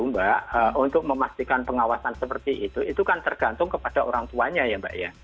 mbak untuk memastikan pengawasan seperti itu itu kan tergantung kepada orang tuanya ya mbak ya